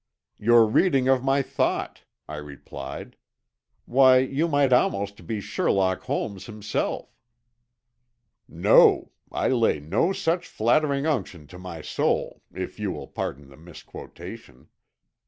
"Your reading of my thought," I replied. "Why you might almost be Sherlock Holmes himself." "No. I lay no such flattering unction to my soul, if you will pardon the misquotation.